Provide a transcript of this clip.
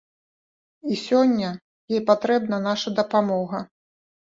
І сёння ёй патрэбна наша дапамога.